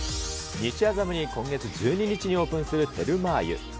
西麻布に今月１２日にオープンするテルマー湯。